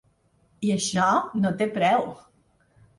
I això no té preu.